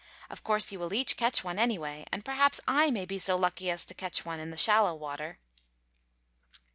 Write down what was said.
Of course you will each catch one, anyway, and perhaps I may be so lucky as to catch one in the shallow water."